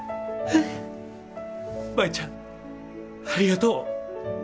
舞ちゃんありがとう。